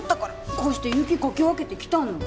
こうして雪かき分けて来たの